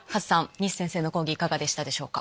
西先生の講義いかがでしたでしょうか。